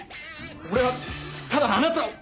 俺はただあなたを。